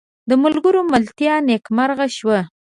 د ملګرو ملتیا نیکمرغه شوه.